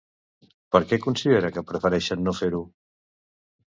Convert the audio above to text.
Per què considera que prefereixen no fer-ho?